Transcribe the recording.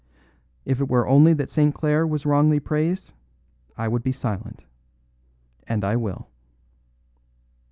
If it were only that St. Clare was wrongly praised, I would be silent. And I will."